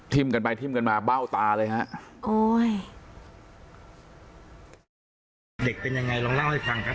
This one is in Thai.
ทิ้มกันไปทิ้มกันมาเบ้าตาเลยครับ